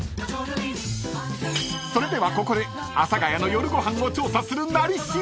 ［それではここで阿佐ヶ谷の夜ご飯を調査する「なり調」］